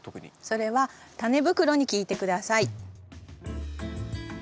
それはタネ袋に聞いて下さい。